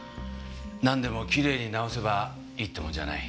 なんでもきれいになおせばいいってもんじゃない。